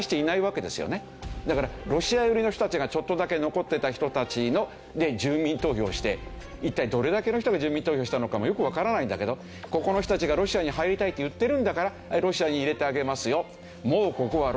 だからロシア寄りの人たちがちょっとだけ残ってた人たちで住民投票をして一体どれだけの人が住民投票をしたのかもよくわからないんだけどここの人たちがロシアに入りたいって言ってるんだからロシアに入れてあげますよ。